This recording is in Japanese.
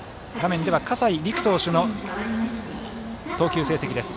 葛西陸投手の投球成績です。